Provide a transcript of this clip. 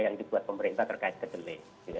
yang dibuat pemerintah terkait kedelai